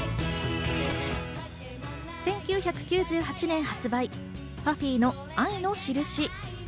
１９９８年発売、ＰＵＦＦＹの『愛のしるし』。